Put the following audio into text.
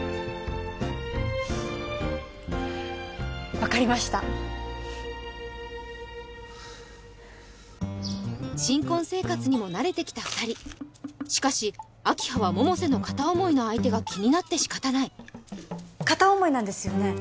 分かりました新婚生活にも慣れてきた２人しかし明葉は百瀬の片思いの相手が気になって仕方ない片思いなんですよね